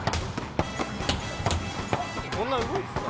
こんな動いてた？